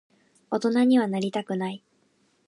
大人にはなりたくない。